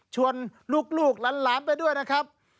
ชวนลูกหลานไปด้วยนะครับ